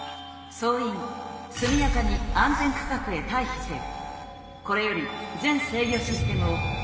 総員速やかに安全区画へ退避せよ」。